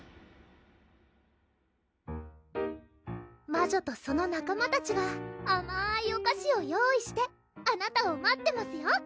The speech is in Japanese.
魔女とその仲間たちがあまいお菓子を用意してあなたを待ってますよ！